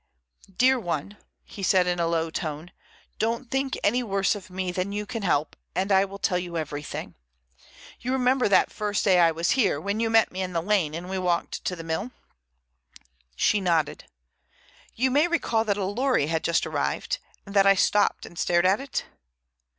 "Dear one," he said in a low tone, "don't think any worse of me than you can help, and I will tell you everything. You remember that first day that I was here, when you met me in the lane and we walked to the mill?" She nodded. "You may recall that a lorry had just arrived, and that I stopped and stared at it?